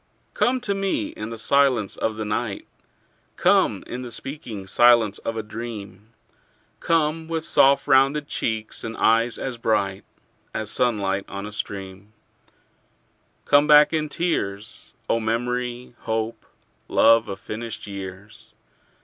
Come to me in the silence of the night; Come in the speaking silence of a dream; Come with soft rounded cheeks and eyes as bright As sunlight on a stream; Come back in tears, O memory, hope, love of finished years.